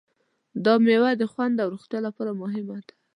دا مېوه د خوند او روغتیا لپاره مهمه ده.